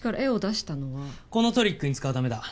このトリックに使うためだ。